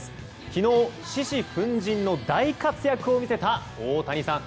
昨日、獅子奮迅の大活躍を見せた大谷さん。